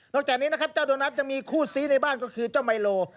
นอกจากนี้เจ้าโดนัฏยังมีคู่ซี้ในบ้านก็คือเจ้าไมโล